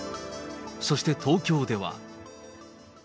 そして東京では。